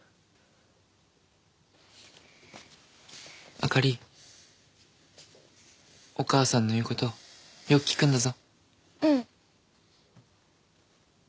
明里お母さんの言う事よく聞くんだぞ。